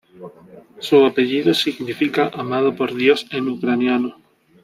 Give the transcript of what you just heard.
Su apellido significa "amado por Dios" en ucraniano.